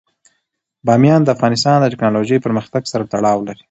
بامیان د افغانستان د تکنالوژۍ پرمختګ سره تړاو لري.